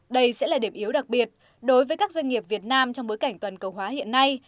đây sẽ là điểm yếu đặc biệt đối với các doanh nghiệp việt nam trong bối cảnh toàn cầu hóa hiện nay